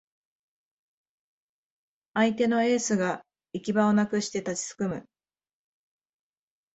相手のエースが行き場をなくして立ちすくむ